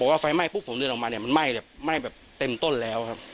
ว่าไฟไหม้ปุ๊บผมเดินออกมาเนี่ยมันไหม้แบบไหม้แบบเต็มต้นแล้วครับ